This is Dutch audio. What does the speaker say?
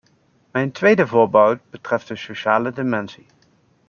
Mijn tweede voorbehoud betreft de sociale dimensie.